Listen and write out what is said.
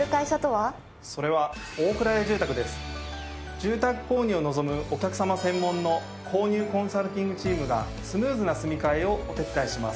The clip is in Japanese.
住宅購入を望むお客様専門の購入コンサルティングチームがスムーズな住みかえをお手伝いします。